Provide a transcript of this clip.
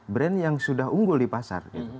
brand yang sudah unggul di pasar